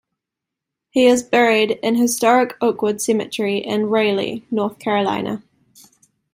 He is buried in historic Oakwood Cemetery in Raleigh, North Carolina.